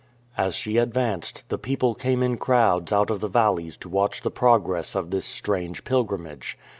As she advanced, the people came in crowds out of the valleys to watch the progress of this strange pilgrimage.